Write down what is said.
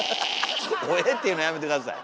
オェェって言うのやめて下さい。